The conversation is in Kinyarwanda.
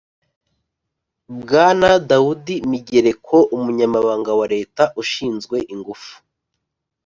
Bwana daudi migereko umunyamabanga wa leta ushinzwe ingufu